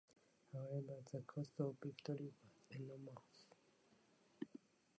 However, the cost of victory was enormous.